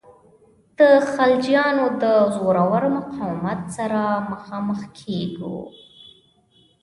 د خلجیانو د زورور مقاومت سره مخامخ کیږو.